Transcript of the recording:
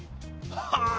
はあ！